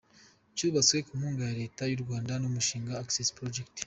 Cyubatswe ku nkunga ya Leta y’u Rwanda n’umushinga Access Project.